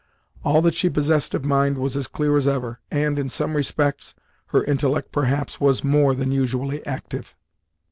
All that she possessed of mind was as clear as ever, and, in some respects, her intellect perhaps was more than usually active.